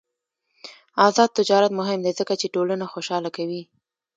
آزاد تجارت مهم دی ځکه چې ټولنه خوشحاله کوي.